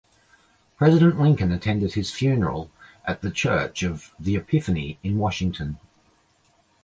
President Lincoln attended his funeral at the Church of the Epiphany in Washington.